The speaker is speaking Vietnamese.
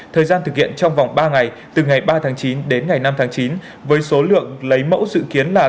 thời gian thực hiện trong vòng ba ngày từ ngày ba tháng chín đến ngày năm tháng chín với số lượng lấy mẫu dự kiến là tám trăm linh